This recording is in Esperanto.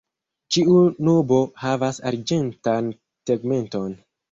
Ĉiu nubo havas arĝentan tegmenton.